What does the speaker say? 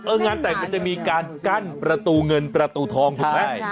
งานแต่งมันจะมีการกั้นประตูเงินประตูทองถูกไหม